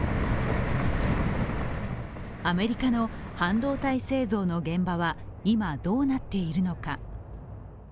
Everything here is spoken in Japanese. アメリカの半導体製造の現場は今、どうなっているのか。